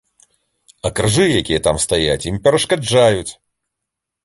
А крыжы, якія там стаяць, ім перашкаджаюць.